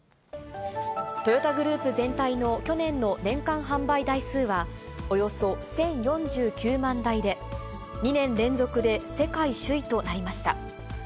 トヨタグループ全体の去年の年間販売台数は、およそ１０４９万台で、２年連続で世界首位となりました。